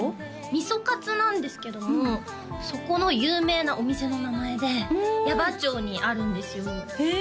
味噌かつなんですけどもそこの有名なお店の名前で矢場町にあるんですよへえ